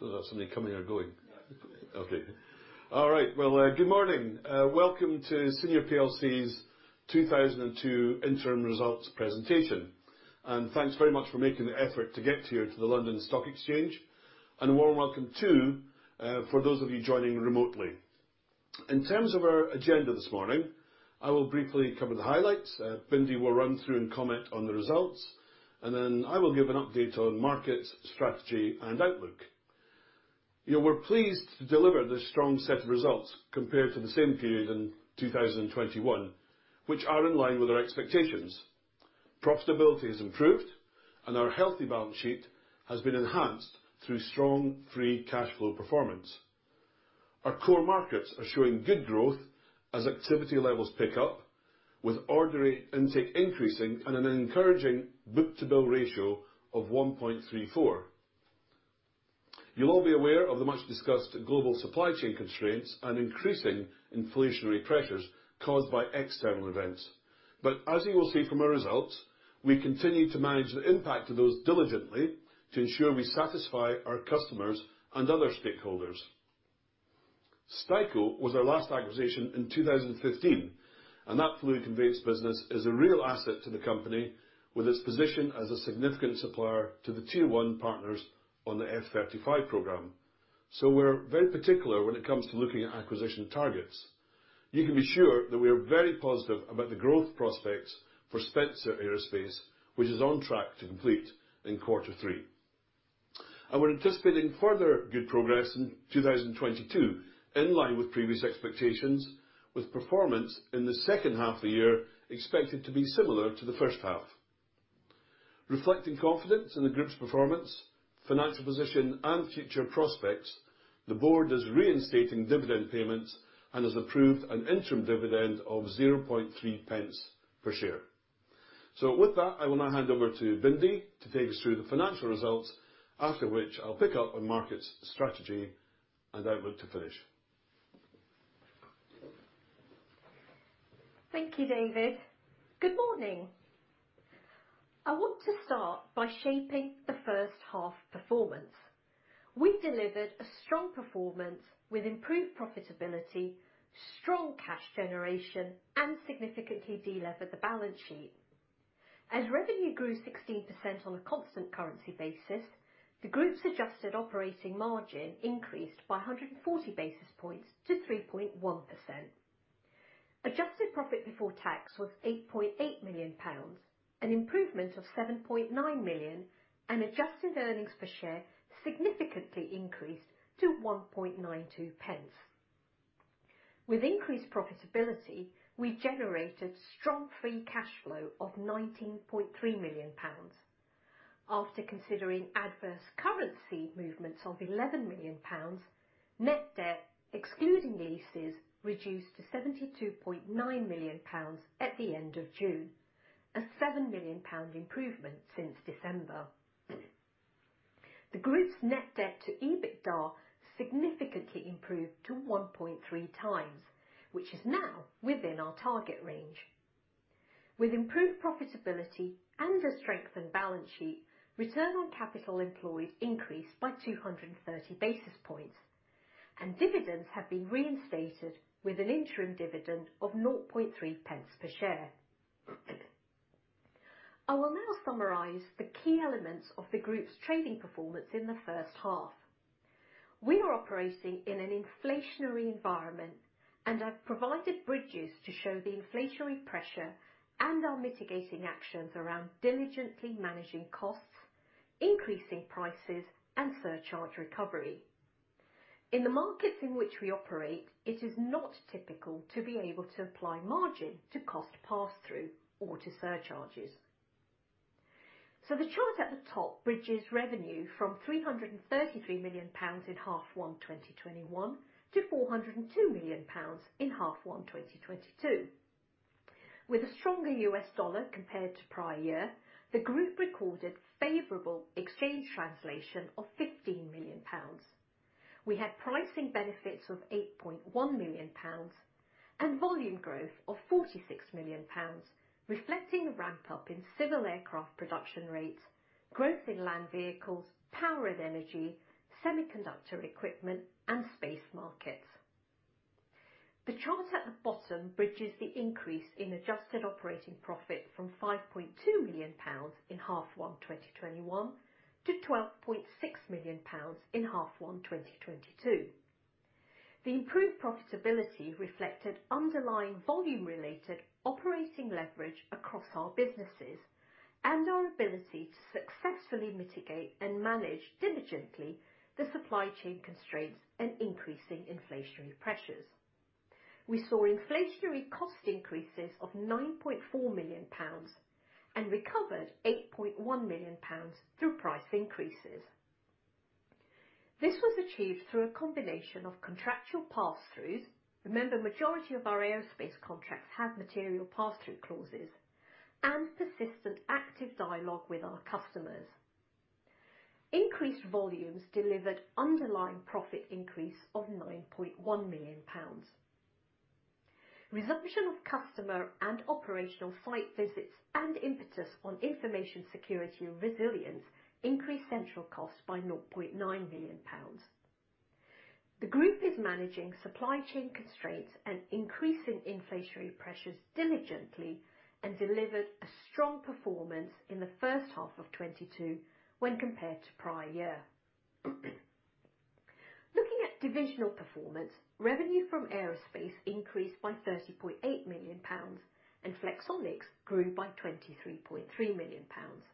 That's somebody coming or going? Yeah, coming. Okay. All right. Well, good morning. Welcome to Senior plc's 2022 interim results presentation, and thanks very much for making the effort to get here to the London Stock Exchange. A warm welcome too, for those of you joining remotely. In terms of our agenda this morning, I will briefly cover the highlights. Bindi will run through and comment on the results, and then I will give an update on markets, strategy, and outlook. Yeah, we're pleased to deliver this strong set of results compared to the same period in 2021, which are in line with our expectations. Profitability has improved, and our healthy balance sheet has been enhanced through strong free cash flow performance. Our core markets are showing good growth as activity levels pick up with order intake increasing and an encouraging book-to-bill ratio of 1.34. You'll all be aware of the much-discussed global supply chain constraints and increasing inflationary pressures caused by external events. As you will see from our results, we continue to manage the impact of those diligently to ensure we satisfy our customers and other stakeholders. Steico was our last acquisition in 2015, and that fluid conveyance business is a real asset to the company with its position as a significant supplier to the tier one partners on the F-35 program. We're very particular when it comes to looking at acquisition targets. You can be sure that we are very positive about the growth prospects for Spencer Aerospace, which is on track to complete in quarter three. We're anticipating further good progress in 2022, in line with previous expectations, with performance in the second half of the year expected to be similar to the first half. Reflecting confidence in the group's performance, financial position, and future prospects, the board is reinstating dividend payments and has approved an interim dividend of 0.003 per share. With that, I will now hand over to Bindi to take us through the financial results. After which, I'll pick up on markets, strategy, and outlook to finish. Thank you, David. Good morning. I want to start by sharing the first half performance. We delivered a strong performance with improved profitability, strong cash generation, and significantly delevered the balance sheet. Revenue grew 16% on a constant currency basis, the group's adjusted operating margin increased by 140 basis points to 3.1%. Adjusted profit before tax was 8.8 million pounds, an improvement of 7.9 million, and adjusted earnings per share significantly increased to 1.92 pence. With increased profitability, we generated strong free cash flow of GBP 19.3 million. After considering adverse currency movements of GBP 11 million, net debt, excluding leases, reduced to GBP 72.9 million at the end of June, a GBP 7 million improvement since December. The group's net debt to EBITDA significantly improved to 1.3 times, which is now within our target range. With improved profitability and a strengthened balance sheet, return on capital employed increased by 230 basis points, and dividends have been reinstated with an interim dividend of 0.3 pence per share. I will now summarize the key elements of the group's trading performance in the first half. We are operating in an inflationary environment, and I've provided bridges to show the inflationary pressure and our mitigating actions around diligently managing costs, increasing prices, and surcharge recovery. In the markets in which we operate, it is not typical to be able to apply margin to cost pass-through or to surcharges. The chart at the top bridges revenue from GBP 333 million in H1 2021 to GBP 402 million in H1 2022. With a stronger U.S. dollar compared to prior year, the group recorded favorable exchange translation of 15 million pounds. We had pricing benefits of 8.1 million pounds and volume growth of 46 million pounds, reflecting the ramp-up in civil aircraft production rates, growth in land vehicles, power and energy, semiconductor equipment, and space markets. The chart at the bottom bridges the increase in adjusted operating profit from 5.2 million pounds in H1 2021 to 12.6 million pounds in H1 2022. The improved profitability reflected underlying volume-related operating leverage across our businesses and our ability to successfully mitigate and manage diligently the supply chain constraints and increasing inflationary pressures. We saw inflationary cost increases of 9.4 million pounds and recovered 8.1 million pounds through price increases. This was achieved through a combination of contractual pass-throughs. Remember, majority of our aerospace contracts have material pass-through clauses, and persistent active dialogue with our customers. Increased volumes delivered underlying profit increase of 9.1 million pounds. Resumption of customer and operational site visits and impetus on information security and resilience increased central costs by 0.9 million pounds. The group is managing supply chain constraints and increasing inflationary pressures diligently, and delivered a strong performance in the first half of 2022 when compared to prior year. Looking at divisional performance, revenue from aerospace increased by 30.8 million pounds, and Flexonics grew by 23.3 million pounds.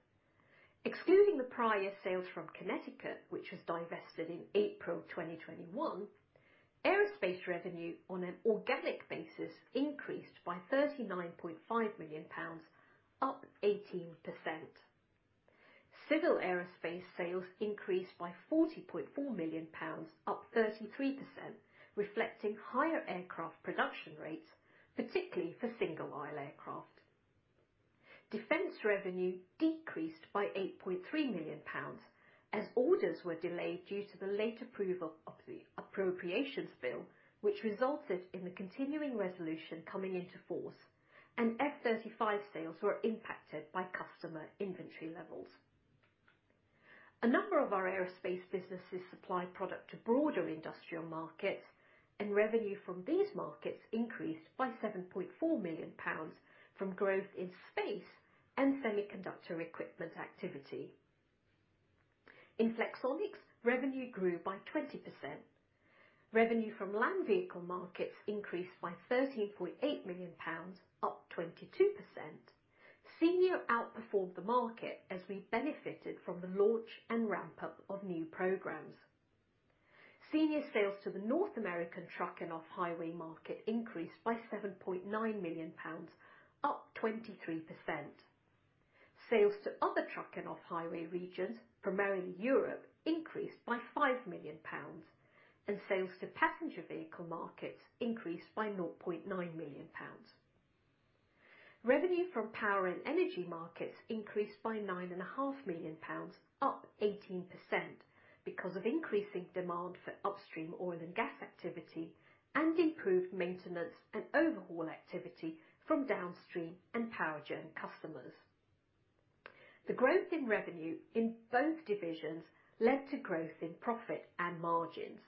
Excluding the prior year sales from QinetiQ, which was divested in April 2021, aerospace revenue on an organic basis increased by 39.5 million pounds, up 18%. Civil aerospace sales increased by 40.4 million pounds, up 33%, reflecting higher aircraft production rates, particularly for single-aisle aircraft. Defense revenue decreased by 8.3 million pounds as orders were delayed due to the late approval of the Appropriations bill, which resulted in the continuing resolution coming into force, and F-35 sales were impacted by customer inventory levels. A number of our aerospace businesses supply product to broader industrial markets, and revenue from these markets increased by 7.4 million pounds from growth in space and semiconductor equipment activity. In Flexonics, revenue grew by 20%. Revenue from land vehicle markets increased by 13.8 million pounds, up 22%. Senior outperformed the market as we benefited from the launch and ramp-up of new programs. Senior sales to the North American truck and off-highway market increased by 7.9 million pounds, up 23%. Sales to other truck and off-highway regions, primarily Europe, increased by 5 million pounds, and sales to passenger vehicle markets increased by 0.9 million pounds. Revenue from power and energy markets increased by 9.5 million pounds, up 18%, because of increasing demand for upstream oil and gas activity and improved maintenance and overhaul activity from downstream and power gen customers. The growth in revenue in both divisions led to growth in profit and margins.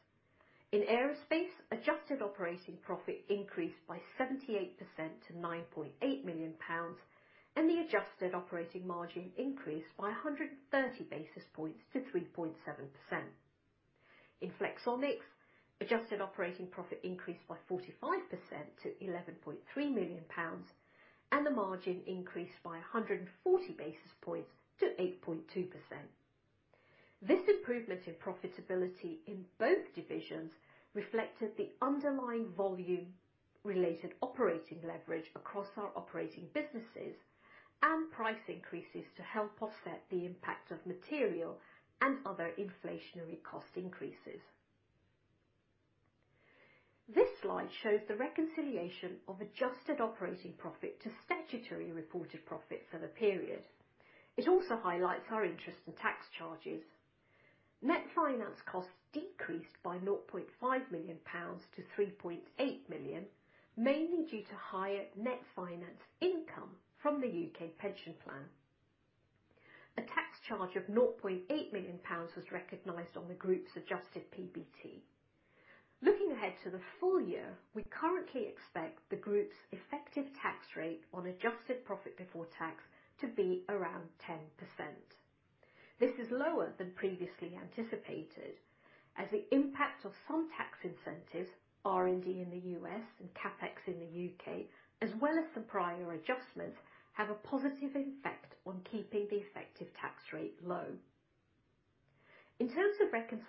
In aerospace, adjusted operating profit increased by 78% to 9.8 million pounds, and the adjusted operating margin increased by 130 basis points to 3.7%. In Flexonics, adjusted operating profit increased by 45% to 11.3 million pounds, and the margin increased by 140 basis points to 8.2%. This improvement in profitability in both divisions reflected the underlying volume related operating leverage across our operating businesses and price increases to help offset the impact of material and other inflationary cost increases. This slide shows the reconciliation of adjusted operating profit to statutory reported profit for the period. It also highlights our interest and tax charges. Net finance costs decreased by 0.5 million pounds to 3.8 million, mainly due to higher net finance income from the UK pension plan. A tax charge of 0.8 million pounds was recognized on the group's adjusted PBT. Looking ahead to the full year, we currently expect the group's effective tax rate on adjusted profit before tax to be around 10%. This is lower than previously anticipated, as the impact of some tax incentives, R&D in the U.S. and CapEx in the U.K., as well as some prior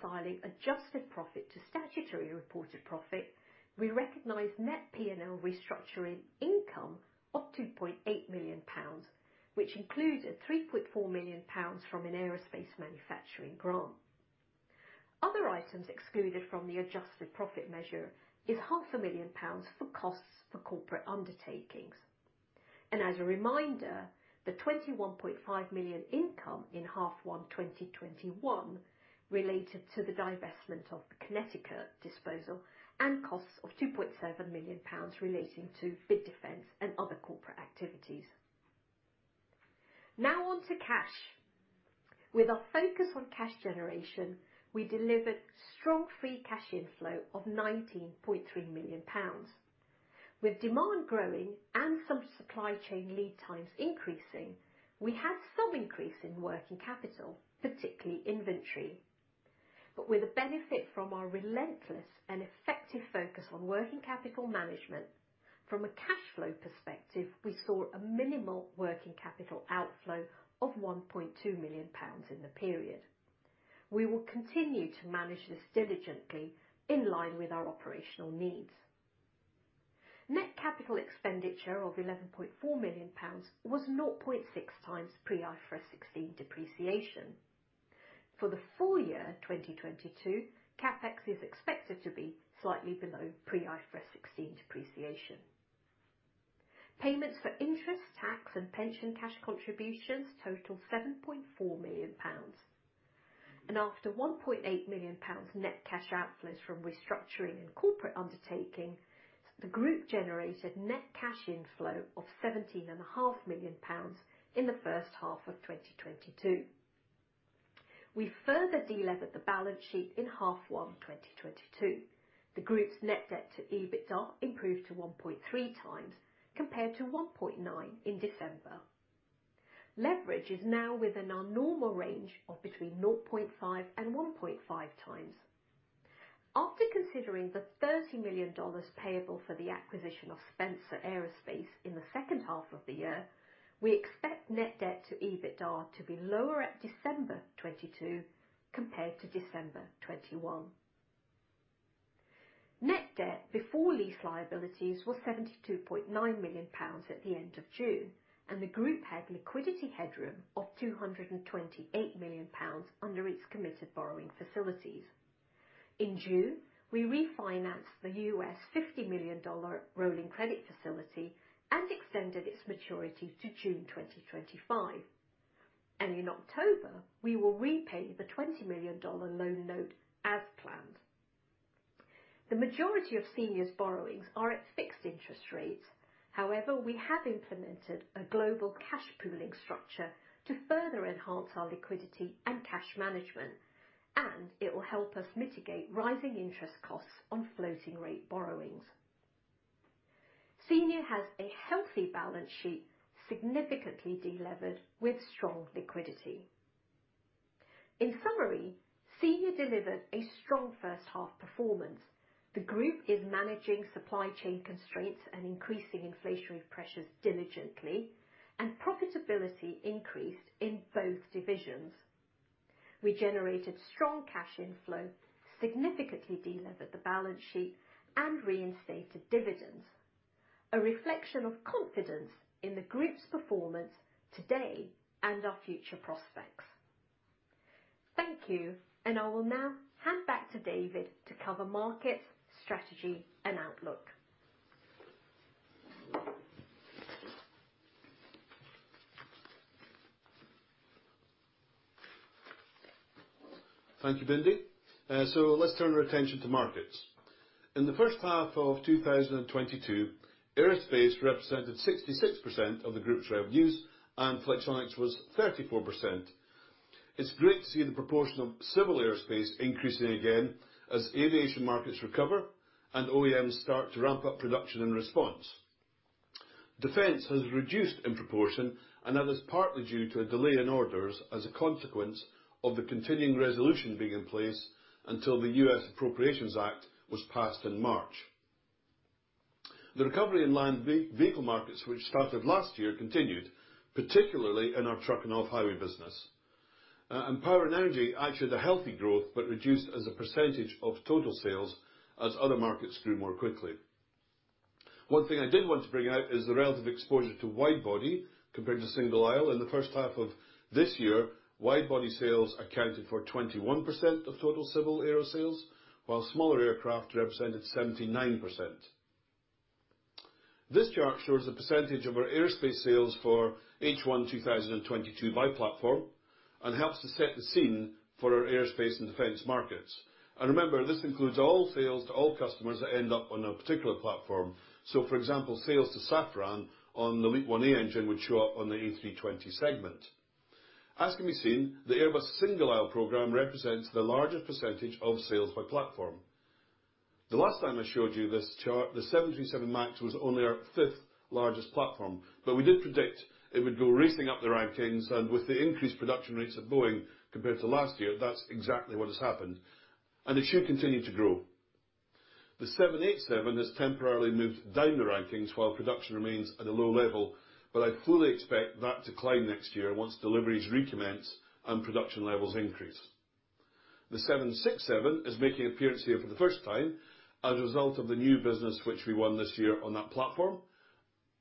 adjustments, have a positive effect on keeping the effective tax rate low. In terms of reconciling adjusted profit to statutory reported profit, we recognize net P&L restructuring income of 2.8 million pounds, which includes a 3.4 million pounds from an aerospace manufacturing grant. Other items excluded from the adjusted profit measure is half a million pounds for costs for corporate undertakings. As a reminder, the 21.5 million income in half one 2021 related to the divestment of the QinetiQ disposal and costs of 2.7 million pounds relating to bid defense and other corporate activities. Now on to cash. With our focus on cash generation, we delivered strong free cash inflow of 19.3 million pounds. With demand growing and some supply chain lead times increasing, we had some increase in working capital, particularly inventory. With the benefit from our relentless and effective focus on working capital management, from a cash flow perspective, we saw a minimal working capital outflow of 1.2 million pounds in the period. We will continue to manage this diligently in line with our operational needs. Net capital expenditure of 11.4 million pounds was 0.6 times pre-IFRS 16 depreciation. For the full year 2022, CapEx is expected to be slightly below pre-IFRS 16 depreciation. Payments for interest, tax, and pension cash contributions total 7.4 million pounds. After 1.8 million pounds net cash outflows from restructuring and corporate undertaking, the group generated net cash inflow of GBP 17 and a half million in the first half of 2022. We further delevered the balance sheet in H1 2022. The group's net debt to EBITDA improved to 1.3 times compared to 1.9 in December. Leverage is now within our normal range of between 0.5 and 1.5 times. After considering the $30 million payable for the acquisition of Spencer Aerospace in the second half of the year, we expect net debt to EBITDA to be lower at December 2022 compared to December 2021. Net debt before lease liabilities was GBP 72.9 million at the end of June, and the group had liquidity headroom of GBP 228 million under its committed borrowing facilities. In June, we refinanced the U.S. $50 million rolling credit facility and extended its maturity to June 2025. In October, we will repay the $20 million loan note as planned. The majority of Senior's borrowings are at fixed interest rates. However, we have implemented a global cash pooling structure to further enhance our liquidity and cash management, and it will help us mitigate rising interest costs on floating rate borrowings. Senior has a healthy balance sheet, significantly delevered, with strong liquidity. In summary, Senior delivered a strong first half performance. The group is managing supply chain constraints and increasing inflationary pressures diligently, and profitability increased in both divisions. We generated strong cash inflow, significantly delevered the balance sheet, and reinstated dividends, a reflection of confidence in the group's performance today and our future prospects. Thank you, and I will now hand back to David to cover market, strategy, and outlook. Thank you, Bindi. Let's turn our attention to markets. In the first half of 2022, aerospace represented 66% of the group's revenues, and Flexonics was 34%. It's great to see the proportion of civil aerospace increasing again as aviation markets recover and OEMs start to ramp up production in response. Defense has reduced in proportion, and that is partly due to a delay in orders as a consequence of the continuing resolution being in place until the U.S. Appropriations Act was passed in March. The recovery in land vehicle markets, which started last year, continued, particularly in our truck and off-highway business. Power and energy actually had a healthy growth, but reduced as a percentage of total sales as other markets grew more quickly. One thing I did want to bring out is the relative exposure to wide-body compared to single-aisle. In the first half of this year, wide-body sales accounted for 21% of total civil aero sales, while smaller aircraft represented 79%. This chart shows the percentage of our aerospace sales for H1 2022 by platform and helps to set the scene for our aerospace and defense markets. Remember, this includes all sales to all customers that end up on a particular platform. For example, sales to Safran on the LEAP-1A engine would show up on the A320 segment. As can be seen, the Airbus single-aisle program represents the largest percentage of sales by platform. The last time I showed you this chart, the 737 MAX was only our fifth largest platform, but we did predict it would go racing up the rankings, and with the increased production rates of Boeing compared to last year, that's exactly what has happened, and it should continue to grow. The 787 has temporarily moved down the rankings while production remains at a low level, but I fully expect that to climb next year once deliveries recommence and production levels increase. The 767 is making an appearance here for the first time as a result of the new business which we won this year on that platform,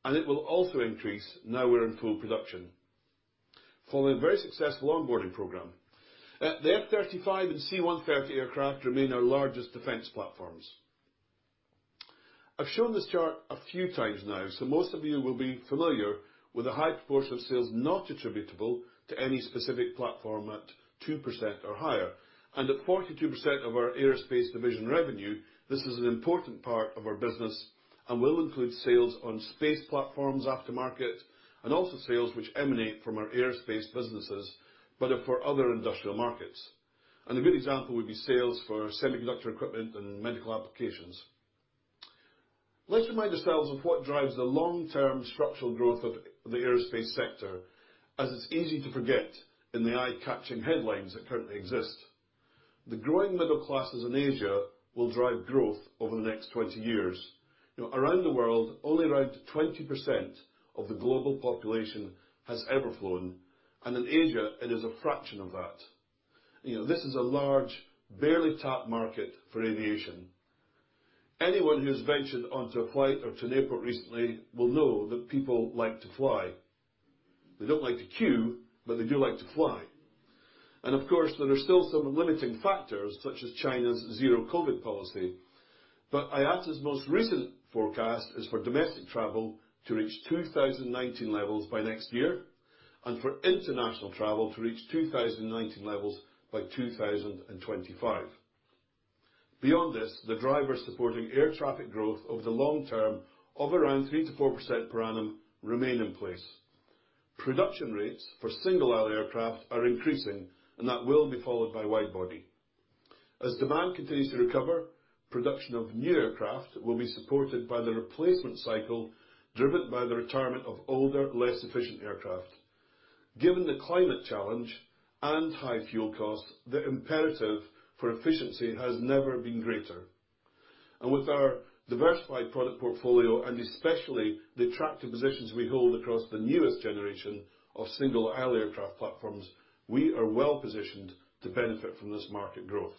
and it will also increase now we're in full production following a very successful onboarding program. The F-35 and C-130 aircraft remain our largest defense platforms. I've shown this chart a few times now, so most of you will be familiar with the high proportion of sales not attributable to any specific platform at 2% or higher. At 42% of our aerospace division revenue, this is an important part of our business and will include sales on space platforms, aftermarket, and also sales which emanate from our aerospace businesses, but are for other industrial markets. A good example would be sales for semiconductor equipment and medical applications. Let's remind ourselves of what drives the long-term structural growth of the aerospace sector, as it's easy to forget in the eye-catching headlines that currently exist. The growing middle classes in Asia will drive growth over the next 20 years. You know, around the world, only around 20% of the global population has ever flown, and in Asia, it is a fraction of that. You know, this is a large, barely tapped market for aviation. Anyone who's ventured onto a flight or to an airport recently will know that people like to fly. They don't like to queue, but they do like to fly. Of course, there are still some limiting factors such as China's zero-COVID policy. IATA's most recent forecast is for domestic travel to reach 2019 levels by next year, and for international travel to reach 2019 levels by 2025. Beyond this, the drivers supporting air traffic growth over the long term of around 3%-4% per annum remain in place. Production rates for single aisle aircraft are increasing, and that will be followed by widebody. As demand continues to recover, production of new aircraft will be supported by the replacement cycle, driven by the retirement of older, less efficient aircraft. Given the climate challenge and high fuel costs, the imperative for efficiency has never been greater. With our diversified product portfolio, and especially the attractive positions we hold across the newest generation of single aisle aircraft platforms, we are well-positioned to benefit from this market growth.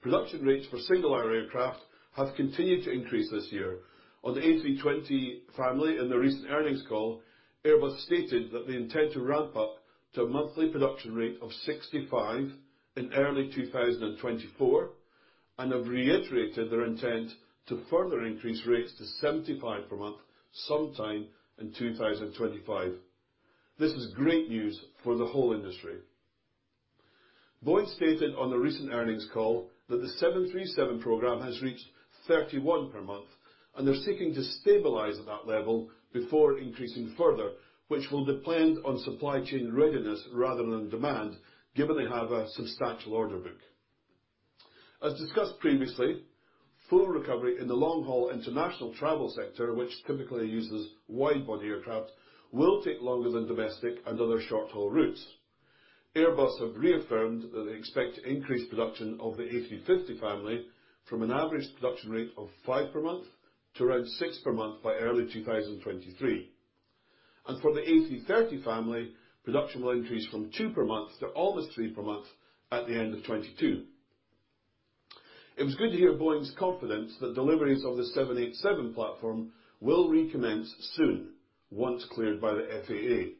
Production rates for single aisle aircraft have continued to increase this year. On the A320 family in the recent earnings call, Airbus stated that they intend to ramp up to a monthly production rate of 65 in early 2024, and have reiterated their intent to further increase rates to 75 per month sometime in 2025. This is great news for the whole industry. Boeing stated on the recent earnings call that the 737 program has reached 31 per month, and they're seeking to stabilize at that level before increasing further, which will depend on supply chain readiness rather than demand, given they have a substantial order book. As discussed previously, full recovery in the long-haul international travel sector, which typically uses widebody aircraft, will take longer than domestic and other short-haul routes. Airbus have reaffirmed that they expect increased production of the A350 family from an average production rate of 5 per month to around 6 per month by early 2023. For the A330 family, production will increase from 2 per month to almost 3 per month at the end of 2022. It was good to hear Boeing's confidence that deliveries of the 787 platform will recommence soon, once cleared by the FAA.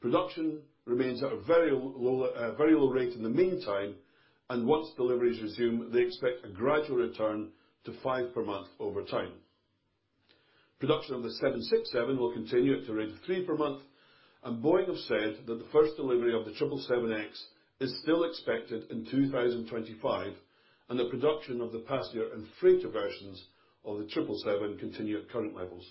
Production remains at a very low rate in the meantime, and once deliveries resume, they expect a gradual return to 5 per month over time. Production of the 767 will continue at the rate of 3 per month, and Boeing have said that the first delivery of the 777X is still expected in 2025, and the production of the passenger and freighter versions of the 777 continue at current levels.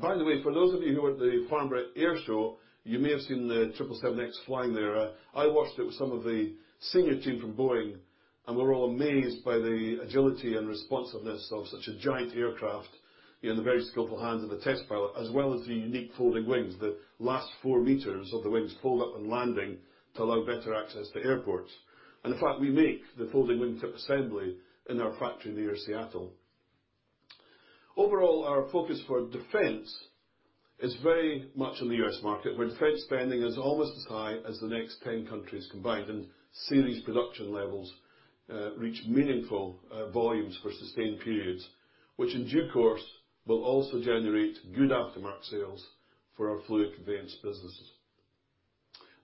By the way, for those of you who were at the Farnborough Airshow, you may have seen the 777X flying there. I watched it with some of the senior team from Boeing, and we were all amazed by the agility and responsiveness of such a giant aircraft in the very skillful hands of a test pilot, as well as the unique folding wings. The last four meters of the wings fold up on landing to allow better access to airports. In fact, we make the folding wing tip assembly in our factory near Seattle. Overall, our focus for defense is very much on the U.S. market, where defense spending is almost as high as the next 10 countries combined, and series production levels reach meaningful volumes for sustained periods, which in due course will also generate good aftermarket sales for our fluid conveyance businesses.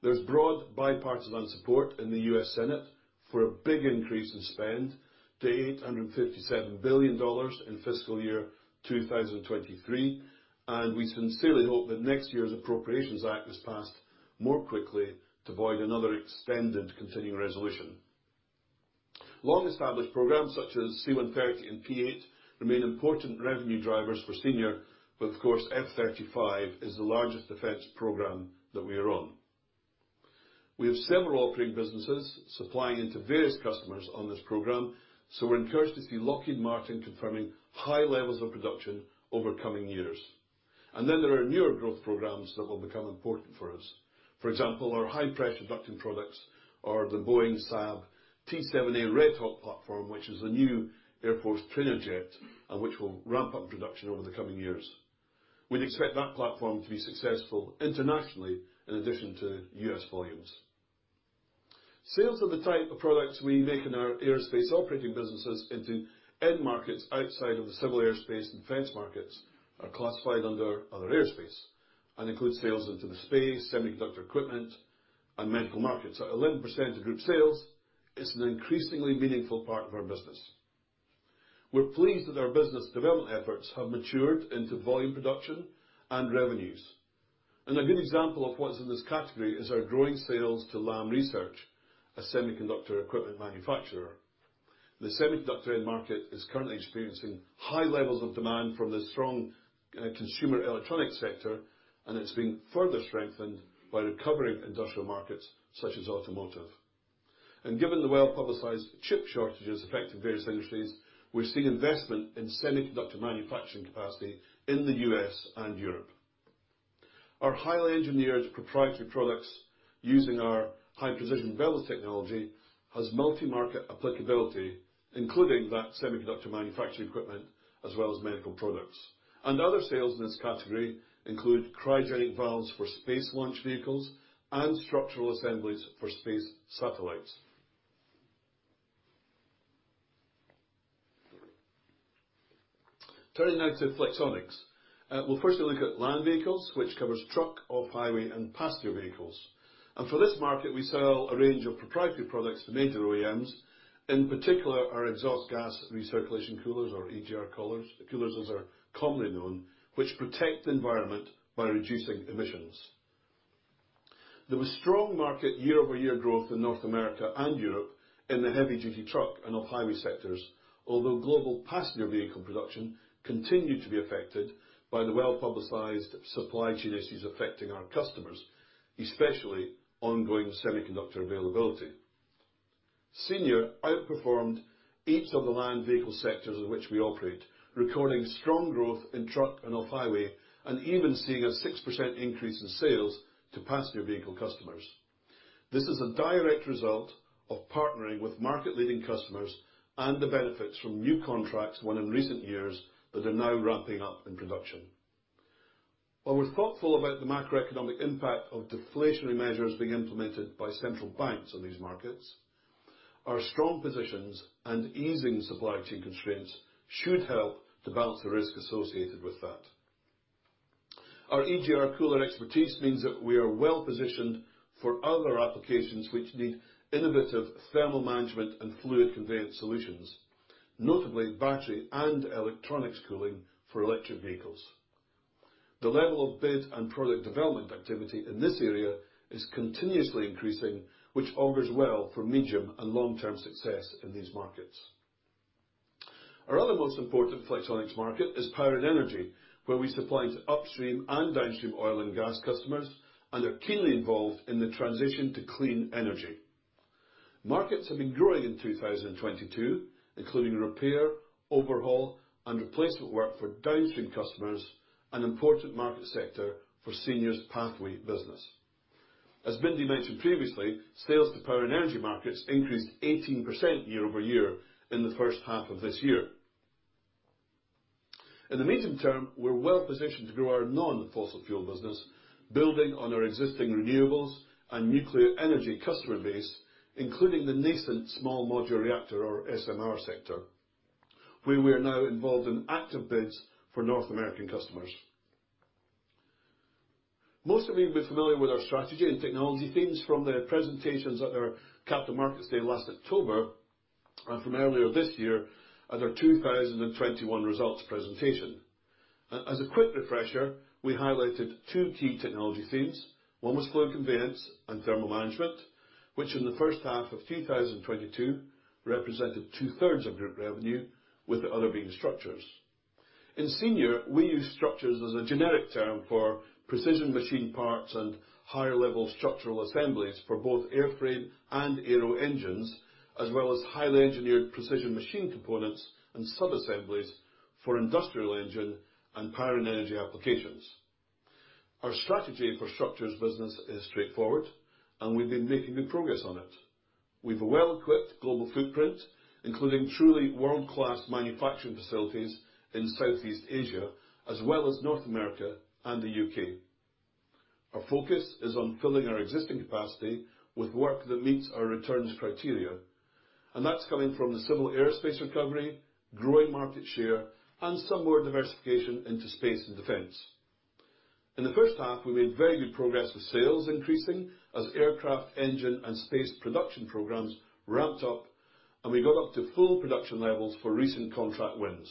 There's broad bipartisan support in the U.S. Senate for a big increase in spend to $857 billion in fiscal year 2023, and we sincerely hope that next year's Appropriations Act is passed more quickly to avoid another extended continuing resolution. Long-established programs such as C-130 and P-8 remain important revenue drivers for Senior, but of course F-35 is the largest defense program that we are on. We have several operating businesses supplying into various customers on this program, so we're encouraged to see Lockheed Martin confirming high levels of production over coming years. There are newer growth programs that will become important for us. For example, our high-pressure ducting products are the Boeing-Saab T-7A Red Hawk platform, which is a new Air Force trainer jet, and which will ramp up production over the coming years. We'd expect that platform to be successful internationally in addition to U.S. volumes. Sales of the type of products we make in our aerospace operating businesses into end markets outside of the civil aerospace and defense markets are classified under other aerospace and include sales into the space, semiconductor equipment, and medical markets. At 11% of group sales, it's an increasingly meaningful part of our business. We're pleased that our business development efforts have matured into volume production and revenues. A good example of what's in this category is our growing sales to Lam Research, a semiconductor equipment manufacturer. The semiconductor end market is currently experiencing high levels of demand from the strong consumer electronic sector, and it's being further strengthened by recovering industrial markets such as automotive. Given the well-publicized chip shortages affecting various industries, we're seeing investment in semiconductor manufacturing capacity in the U.S. and Europe. Our highly engineered proprietary products using our high-precision valve technology has multi-market applicability, including that semiconductor manufacturing equipment, as well as medical products. Other sales in this category include cryogenic valves for space launch vehicles and structural assemblies for space satellites. Turning now to Flexonics. We'll firstly look at land vehicles, which covers truck, off-highway, and passenger vehicles. For this market, we sell a range of proprietary products to major OEMs, in particular our exhaust gas recirculation coolers or EGR coolers. Coolers as they're commonly known, which protect the environment by reducing emissions. There was strong market year-over-year growth in North America and Europe in the heavy-duty truck and off-highway sectors. Although global passenger vehicle production continued to be affected by the well-publicized supply chain issues affecting our customers, especially ongoing semiconductor availability. Senior outperformed each of the land vehicle sectors in which we operate, recording strong growth in truck and off-highway, and even seeing a 6% increase in sales to passenger vehicle customers. This is a direct result of partnering with market-leading customers and the benefits from new contracts won in recent years that are now ramping up in production. While we're thoughtful about the macroeconomic impact of deflationary measures being implemented by central banks on these markets, our strong positions and easing supply chain constraints should help to balance the risk associated with that. Our EGR cooler expertise means that we are well-positioned for other applications which need innovative thermal management and fluid conveyance solutions, notably battery and electronics cooling for electric vehicles. The level of bid and product development activity in this area is continuously increasing, which augurs well for medium and long-term success in these markets. Our other most important Flexonics market is power and energy, where we supply to upstream and downstream oil and gas customers, and are keenly involved in the transition to clean energy. Markets have been growing in 2022, including repair, overhaul, and replacement work for downstream customers, an important market sector for Senior's Pathway business. As Bindi mentioned previously, sales to power and energy markets increased 18% year-over-year in the first half of this year. In the medium term, we're well-positioned to grow our non-fossil fuel business, building on our existing renewables and nuclear energy customer base, including the nascent small modular reactor or SMR sector, where we are now involved in active bids for North American customers. Most of you will be familiar with our strategy and technology themes from the presentations at our Capital Markets Day last October, from earlier this year at our 2021 results presentation. As a quick refresher, we highlighted two key technology themes. One was fluid conveyance and thermal management, which in the first half of 2022 represented two-thirds of group revenue, with the other being structures. In Senior, we use structures as a generic term for precision machine parts and higher-level structural assemblies for both airframe and aero engines, as well as highly engineered precision machine components and sub-assemblies for industrial engine and power and energy applications. Our strategy for structures business is straightforward, and we've been making good progress on it. We've a well-equipped global footprint, including truly world-class manufacturing facilities in Southeast Asia, as well as North America and the U.K. Our focus is on filling our existing capacity with work that meets our returns criteria, and that's coming from the civil aerospace recovery, growing market share, and some more diversification into space and defense. In the first half, we made very good progress with sales increasing as aircraft engine and space production programs ramped up, and we got up to full production levels for recent contract wins.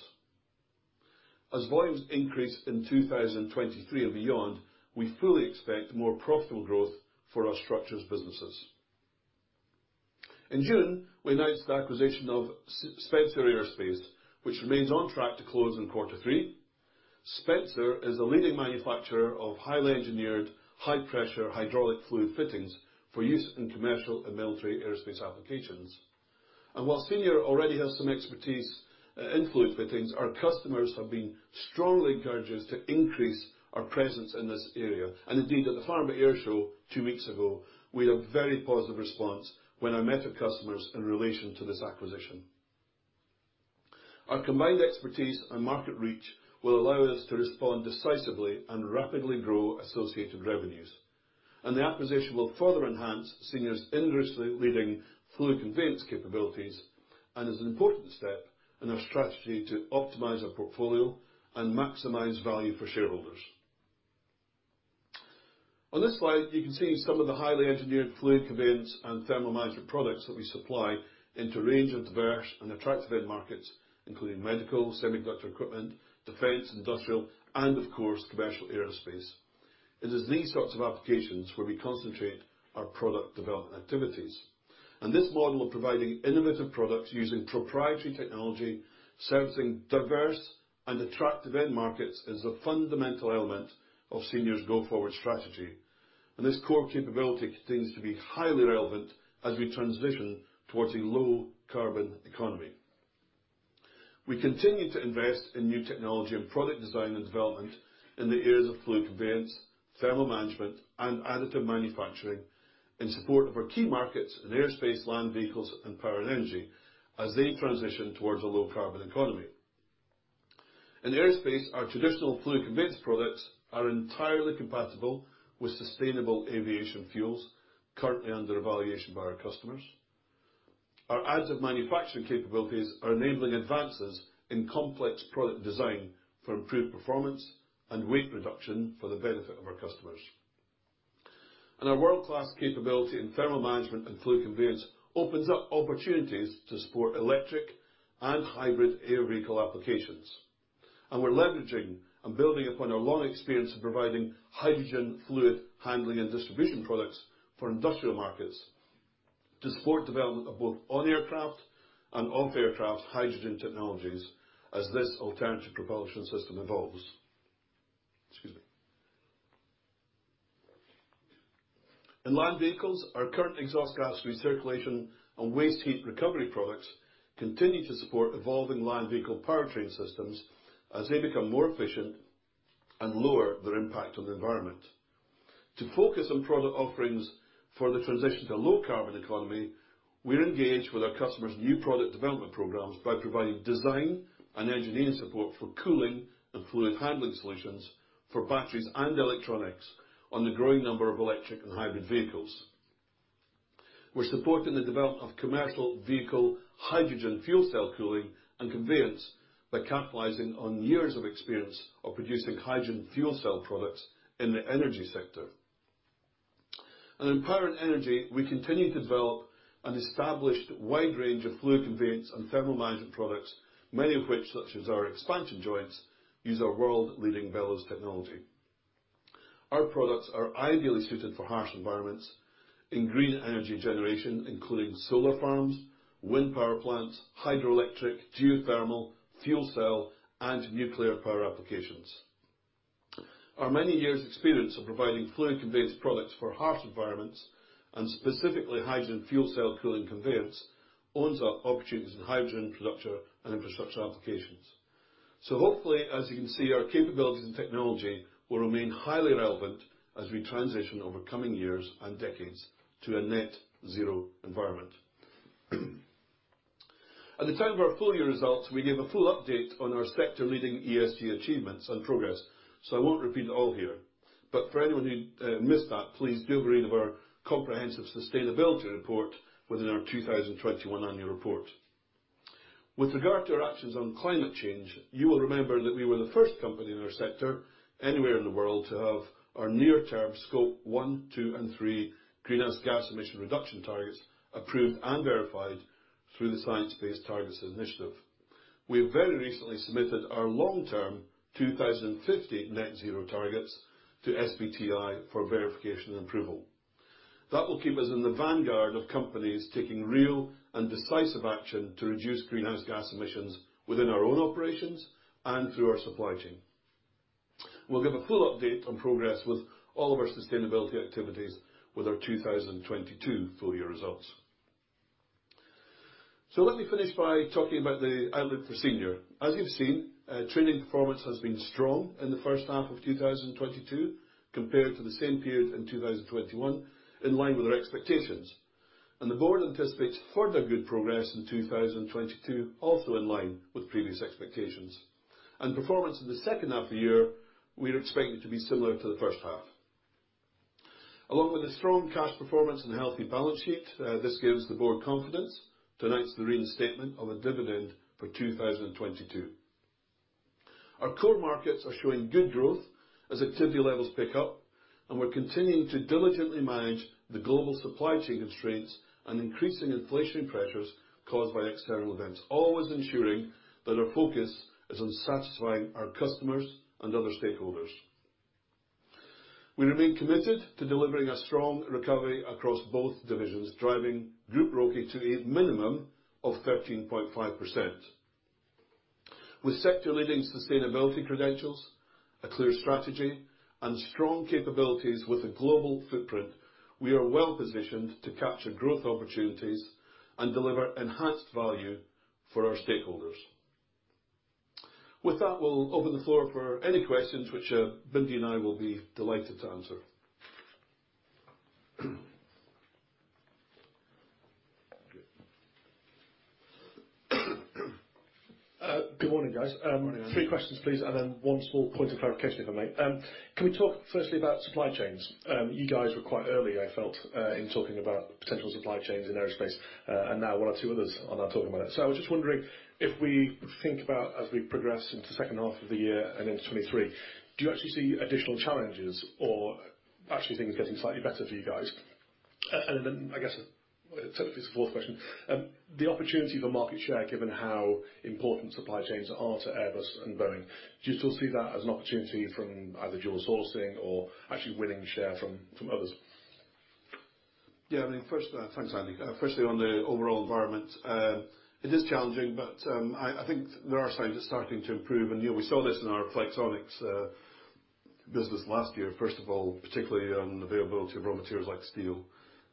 As volumes increase in 2023 and beyond, we fully expect more profitable growth for our structures businesses. In June, we announced the acquisition of Spencer Aerospace, which remains on track to close in quarter three. Spencer is a leading manufacturer of highly engineered, high-pressure hydraulic fluid fittings for use in commercial and military aerospace applications. While Senior already has some expertise in fluid fittings, our customers have been strongly encouraging us to increase our presence in this area. Indeed, at the Farnborough Airshow two weeks ago, we had a very positive response when I met with customers in relation to this acquisition. Our combined expertise and market reach will allow us to respond decisively and rapidly grow associated revenues. The acquisition will further enhance Senior's industry-leading fluid conveyance capabilities and is an important step in our strategy to optimize our portfolio and maximize value for shareholders. On this slide, you can see some of the highly engineered fluid conveyance and thermal management products that we supply into a range of diverse and attractive end markets, including medical, semiconductor equipment, defense, industrial, and of course, commercial aerospace. It is these sorts of applications where we concentrate our product development activities. This model of providing innovative products using proprietary technology, servicing diverse and attractive end markets, is a fundamental element of Senior's go-forward strategy. This core capability continues to be highly relevant as we transition towards a low-carbon economy. We continue to invest in new technology and product design and development in the areas of fluid conveyance, thermal management, and additive manufacturing in support of our key markets in aerospace, land vehicles, and power and energy as they transition towards a low-carbon economy. In aerospace, our traditional fluid conveyance products are entirely compatible with sustainable aviation fuels currently under evaluation by our customers. Our additive manufacturing capabilities are enabling advances in complex product design for improved performance and weight reduction for the benefit of our customers. Our world-class capability in thermal management and fluid conveyance opens up opportunities to support electric and hybrid air vehicle applications, and we're leveraging and building upon our long experience in providing hydrogen fluid handling and distribution products for industrial markets to support development of both on-aircraft and off-aircraft hydrogen technologies as this alternative propulsion system evolves. Excuse me. In land vehicles, our current exhaust gas recirculation and waste heat recovery products continue to support evolving land vehicle powertrain systems as they become more efficient and lower their impact on the environment. To focus on product offerings for the transition to low-carbon economy, we're engaged with our customers' new product development programs by providing design and engineering support for cooling and fluid handling solutions for batteries and electronics on the growing number of electric and hybrid vehicles. We're supporting the development of commercial vehicle hydrogen fuel cell cooling and conveyance by capitalizing on years of experience of producing hydrogen fuel cell products in the energy sector. In power and energy, we continue to develop an established wide range of fluid conveyance and thermal management products, many of which, such as our expansion joints, use our world-leading bellows technology. Our products are ideally suited for harsh environments in green energy generation, including solar farms, wind power plants, hydroelectric, geothermal, fuel cell, and nuclear power applications. Our many years' experience of providing fluid conveyance products for harsh environments, and specifically hydrogen fuel cell cooling conveyance, opens up opportunities in hydrogen production and infrastructure applications. Hopefully, as you can see, our capabilities and technology will remain highly relevant as we transition over coming years and decades to a net zero environment. At the time of our full year results, we gave a full update on our sector-leading ESG achievements and progress, so I won't repeat it all here. For anyone who missed that, please do read of our comprehensive sustainability report within our 2021 annual report. With regard to our actions on climate change, you will remember that we were the first company in our sector anywhere in the world to have our near term Scope 1, 2, and 3 greenhouse gas emission reduction targets approved and verified through the Science Based Targets initiative. We very recently submitted our long-term 2050 net zero targets to SBTi for verification and approval. That will keep us in the vanguard of companies taking real and decisive action to reduce greenhouse gas emissions within our own operations and through our supply chain. We'll give a full update on progress with all of our sustainability activities with our 2022 full year results. Let me finish by talking about the outlook for Senior. As you've seen, trading performance has been strong in the first half of 2022 compared to the same period in 2021, in line with our expectations. The board anticipates further good progress in 2022, also in line with previous expectations. Performance in the second half of the year, we're expecting to be similar to the first half. Along with a strong cash performance and healthy balance sheet, this gives the board confidence to announce the reinstatement of a dividend for 2022. Our core markets are showing good growth as activity levels pick up, and we're continuing to diligently manage the global supply chain constraints and increasing inflation pressures caused by external events, always ensuring that our focus is on satisfying our customers and other stakeholders. We remain committed to delivering a strong recovery across both divisions, driving group ROCE to a minimum of 13.5%. With sector-leading sustainability credentials, a clear strategy, and strong capabilities with a global footprint, we are well-positioned to capture growth opportunities and deliver enhanced value for our stakeholders. With that, we'll open the floor for any questions which, Bindi and I will be delighted to answer. Good morning, guys. Morning. Three questions, please, and then one small point of clarification, if I may. Can we talk firstly about supply chains? You guys were quite early, I felt, in talking about potential supply chains in aerospace, and now one or two others are now talking about it. I was just wondering, if we think about as we progress into second half of the year and into 2023, do you actually see additional challenges or actually things getting slightly better for you guys? And then I guess, technically it's the fourth question, the opportunity for market share, given how important supply chains are to Airbus and Boeing, do you still see that as an opportunity from either dual sourcing or actually winning share from others? Yeah, I mean, first, thanks, Andy. Firstly on the overall environment, it is challenging, but, I think there are signs it's starting to improve, and, you know, we saw this in our Flexonics business last year. First of all, particularly on availability of raw materials like steel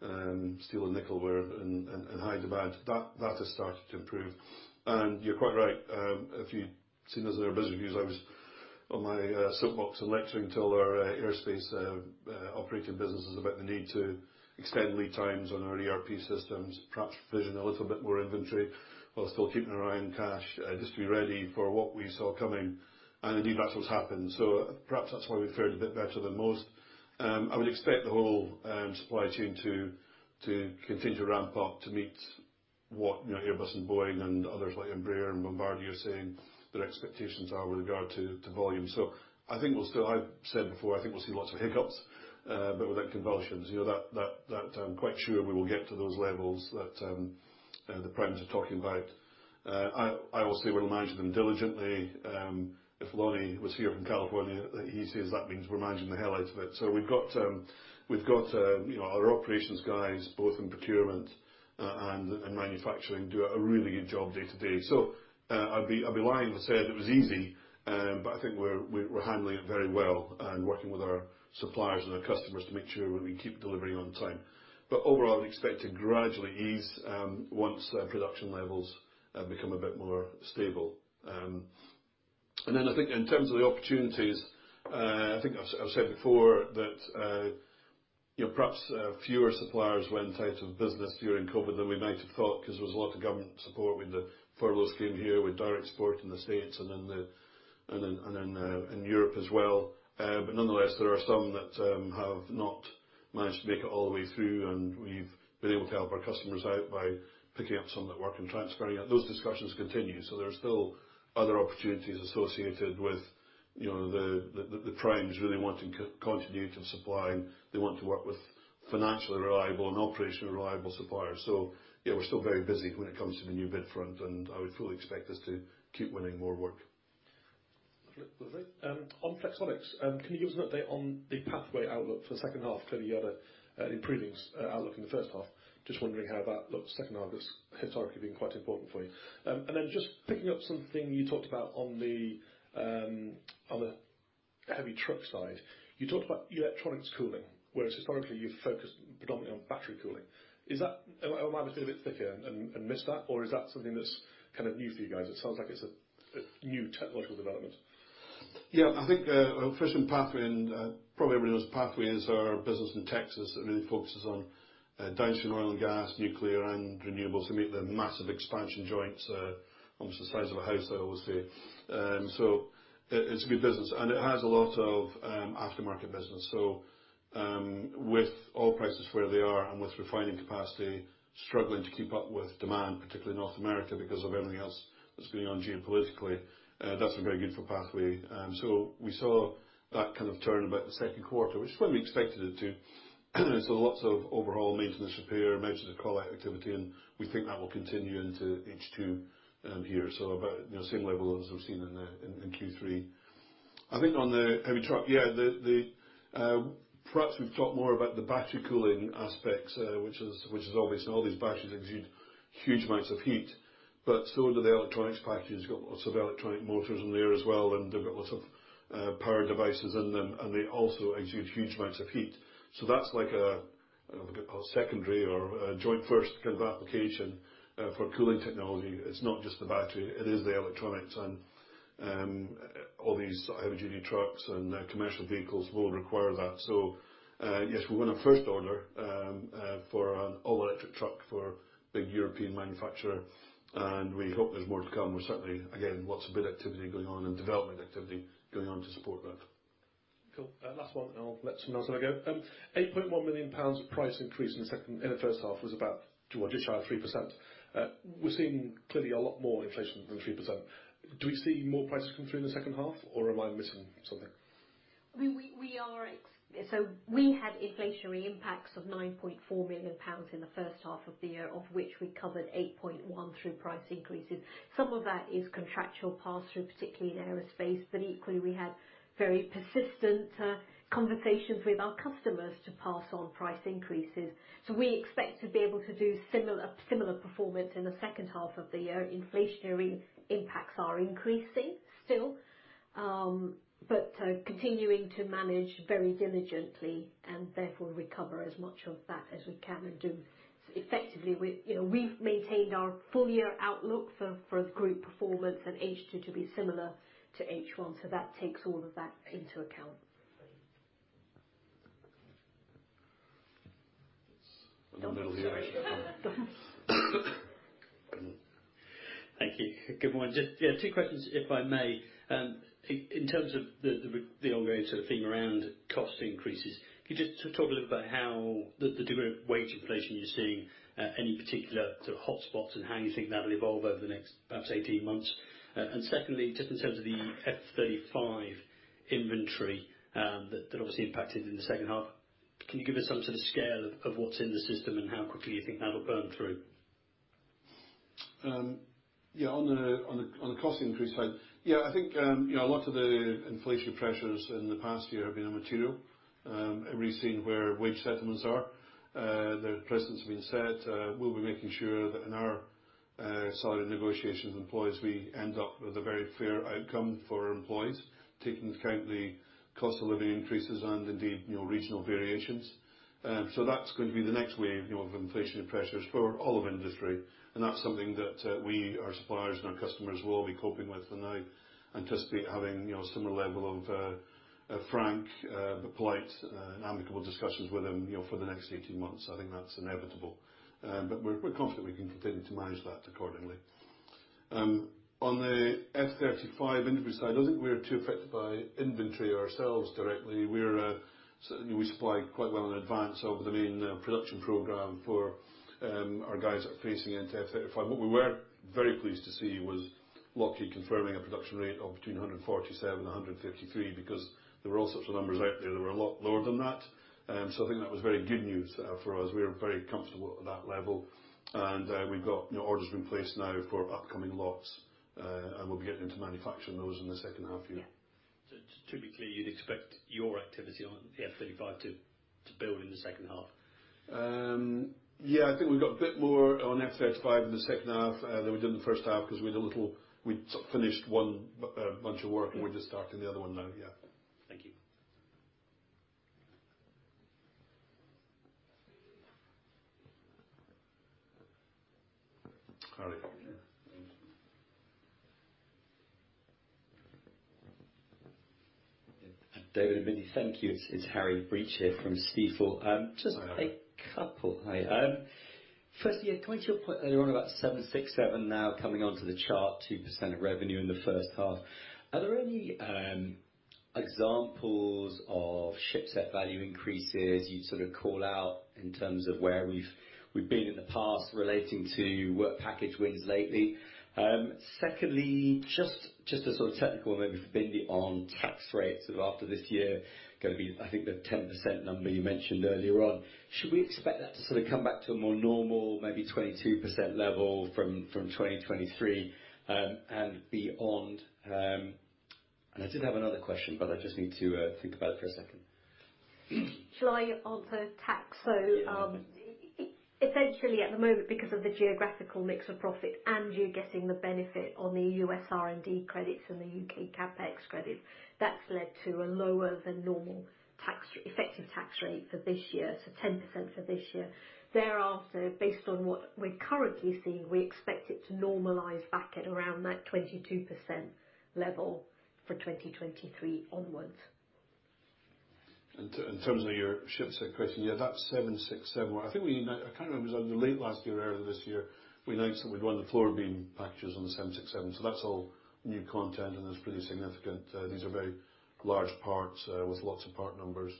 and nickel were in high demand. That has started to improve. You're quite right, if you'd seen us in our business reviews, I was on my soapbox and lecturing to all our aerospace operating businesses about the need to extend lead times on our ERP systems. Perhaps provision a little bit more inventory while still keeping our eye on cash, just to be ready for what we saw coming. Indeed that's what's happened. Perhaps that's why we fared a bit better than most. I would expect the whole supply chain to continue to ramp up to meet what, you know, Airbus and Boeing and others like Embraer and Bombardier are saying their expectations are with regard to volume. I've said before, I think we'll see lots of hiccups, but without convulsions. You know, that I'm quite sure we will get to those levels that the primes are talking about. I will say we'll manage them diligently. If Lonnie was here from California, he says that means we're managing the hell out of it. We've got, you know, our operations guys, both in procurement and in manufacturing, do a really good job day to day. I'd be lying if I said it was easy, but I think we're handling it very well and working with our suppliers and our customers to make sure we keep delivering on time. But overall, I would expect to gradually ease once the production levels become a bit more stable. I think in terms of the opportunities, I think I've said before that, you know, perhaps fewer suppliers went out of business during COVID than we might have thought 'cause there was a lot of government support with the furlough scheme here, with direct support in the States and in Europe as well. Nonetheless, there are some that have not managed to make it all the way through, and we've been able to help our customers out by picking up some of their work and transferring it. Those discussions continue. There are still other opportunities associated with, you know, the primes really wanting to continue to supply. They want to work with financially reliable and operationally reliable suppliers. Yeah, we're still very busy when it comes to the new bid front, and I would fully expect us to keep winning more work. Okay, perfect. On Flexonics, can you give us an update on the Pathway outlook for the second half? Clearly you had an improving outlook in the first half. Just wondering how that looks second half. That's historically been quite important for you. And then just picking up something you talked about on the heavy truck side. You talked about electronics cooling, whereas historically you've focused predominantly on battery cooling. Is that? Am I being a bit thick here and missed that, or is that something that's kind of new for you guys? It sounds like it's a new technological development. Yeah. I think first on Pathway and probably everyone knows Pathway is our business in Texas that really focuses on downstream oil and gas, nuclear and renewables. They make the massive expansion joints almost the size of a house they always say. It's a good business, and it has a lot of aftermarket business. With oil prices where they are and with refining capacity struggling to keep up with demand, particularly in North America because of everything else that's been going on geopolitically, that's been very good for Pathway. We saw that kind of turn about the second quarter, which is when we expected it to. Lots of overhaul, maintenance, repair, and quality activity, and we think that will continue into H2, you know, same level as we've seen in Q3. I think on the heavy truck, perhaps we've talked more about the battery cooling aspects, which is obvious. All these batteries exude huge amounts of heat, but so do the electronics packages. You got lots of electronic motors in there as well, and they've got lots of power devices in them, and they also exude huge amounts of heat. That's like a, I don't know if you could call secondary or a joint first kind of application for cooling technology. It's not just the battery, it is the electronics and all these heavy duty trucks and commercial vehicles will require that. Yes, we won a first order for an all-electric truck for a big European manufacturer, and we hope there's more to come. We're certainly, again, lots of bid activity going on and development activity going on to support that. Cool. Last one and I'll let someone else have a go. 8.1 million pounds of price increase in the first half was about 2% or just shy of 3%. We're seeing clearly a lot more inflation than 3%. Do we see more prices come through in the second half, or am I missing something? We had inflationary impacts of 9.4 million pounds in the first half of the year, of which we covered 8.1 through price increases. Some of that is contractual pass-through, particularly in aerospace, but equally we had very persistent conversations with our customers to pass on price increases. We expect to be able to do similar performance in the second half of the year. Inflationary impacts are increasing still, but continuing to manage very diligently and therefore recover as much of that as we can and do. Effectively, you know, we've maintained our full year outlook for group performance and H2 to be similar to H1. That takes all of that into account. Great. In the middle here. Thank you. Good morning. Just two questions, if I may. In terms of the ongoing sort of theme around cost increases, can you just talk a little bit about how the degree of wage inflation you're seeing, any particular sort of hotspots and how you think that'll evolve over the next perhaps 18 months? And secondly, just in terms of the F-35 inventory, that obviously impacted in the second half, can you give us some sort of scale of what's in the system and how quickly you think that'll burn through? Yeah, on the cost increase side. Yeah, I think, you know, a lot of the inflationary pressures in the past year have been on material. Everybody's seen where wage settlements are. The precedent's been set. We'll be making sure that in our salary negotiations with employees, we end up with a very fair outcome for our employees, taking into account the cost of living increases and indeed, you know, regional variations. That's going to be the next wave, you know, of inflation pressures for all of industry, and that's something that we, our suppliers, and our customers will be coping with. I anticipate having, you know, similar level of frank, but polite, amicable discussions with them, you know, for the next 18 months. I think that's inevitable. We're confident we can continue to manage that accordingly. On the F-35 inventory side, I don't think we're too affected by inventory ourselves directly. We're certainly we supply quite well in advance over the main production program for our guys that are facing into F-35. What we were very pleased to see was Lockheed confirming a production rate of between 147 and 153, because there were all sorts of numbers out there that were a lot lower than that. I think that was very good news for us. We're very comfortable at that level. We've got new orders in place now for upcoming lots. We'll be getting into manufacturing those in the second half year. Yeah. To be clear, you'd expect your activity on the F-35 to build in the second half? Yeah. I think we've got a bit more on F-35 in the second half than we did in the first half, because we had a little. We finished one bunch of work, and we're just starting the other one now. Yeah. Thank you. Harry. David and Bindi, thank you. It's Harry Breach here from Stifel. Hi, Harry. Just a couple. Hi, firstly, coming to your point earlier on about 767 now coming onto the chart, 2% of revenue in the first half. Are there any examples of shipset value increases you'd sort of call out in terms of where we've been in the past relating to work package wins lately? Secondly, just a sort of technical one maybe for Bindi on tax rates after this year. Gonna be, I think, the 10% number you mentioned earlier on. Should we expect that to sort of come back to a more normal maybe 22% level from 2023 and beyond? I did have another question, but I just need to think about it for a second. Shall I answer tax? Yeah. Essentially at the moment, because of the geographical mix of profit and you're getting the benefit on the U.S. R&D credits and the U.K. CapEx credits, that's led to a lower-than-normal effective tax rate for this year. 10% for this year. Thereafter, based on what we're currently seeing, we expect it to normalize back at around that 22% level for 2023 onwards. In terms of your shipset question, yeah, that 767. I think we announced. I can't remember if it was either late last year or earlier this year, we announced that we'd won the floor beam packages on the 767. That's all new content, and it's pretty significant. These are very large parts with lots of part numbers.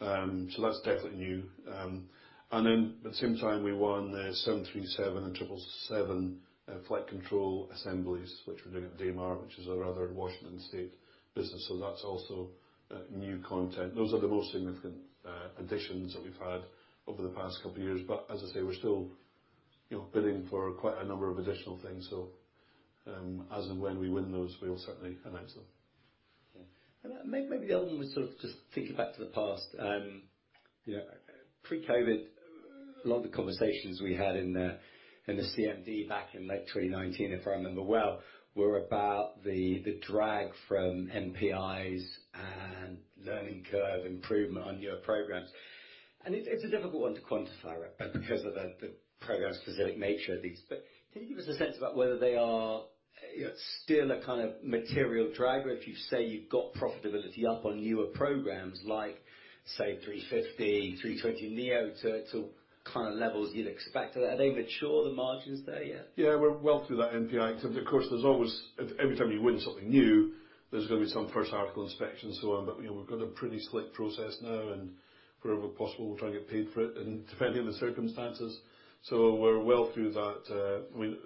That's definitely new. Then at the same time, we won the 737 and 777 flight control assemblies, which we're doing at Damar, which is our other Washington State business. That's also new content. Those are the most significant additions that we've had over the past couple of years. As I say, we're still, you know, bidding for quite a number of additional things. As and when we win those, we'll certainly announce them. Yeah. Maybe the other one was sort of just thinking back to the past. You know, pre-COVID, a lot of the conversations we had in the CMD back in late 2019, if I remember well, were about the drag from NPIs and learning curve improvement on your programs. It's a difficult one to quantify, right? Because of the program-specific nature of these. Can you give us a sense about whether they are, you know, still a kind of material driver if you say you've got profitability up on newer programs like, say, 350, 320neo to kind of levels you'd expect. Are they mature, the margins there yet? Yeah, we're well through that NPI. Of course, there's always. Every time you win something new, there's gonna be some first article inspections. You know, we've got a pretty slick process now, and wherever possible we'll try and get paid for it, and depending on the circumstances. We're well through that, I mean,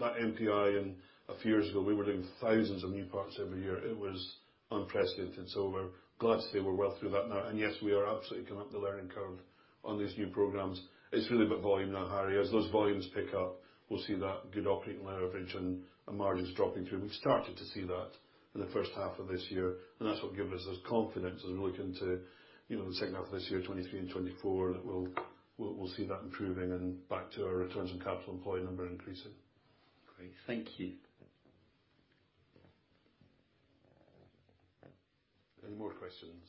that NPI and a few years ago we were doing thousands of new parts every year. It was unprecedented. We're glad to say we're well through that now. Yes, we are absolutely coming up the learning curve on these new programs. It's really about volume now, Harry. As those volumes pick up, we'll see that good operating leverage and margins dropping through. We've started to see that in the first half of this year, and that's what gives us the confidence as we look into, you know, the second half of this year, 2023 and 2024, that we'll see that improving and back to our return on capital employed number increasing. Great. Thank you. Any more questions?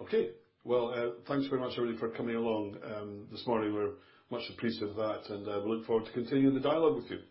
Okay. Well, thanks very much everybody for coming along, this morning. We're much obliged with that, and, we look forward to continuing the dialogue with you. Good.